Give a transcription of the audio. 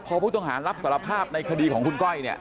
พอผู้ต้องหารับสารภาพในคดีของคุณก้อยเนี่ย